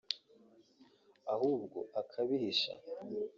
ahubwo akabihisha